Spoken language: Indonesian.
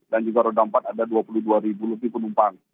dan juga roda empat ada dua puluh dua lebih penumpang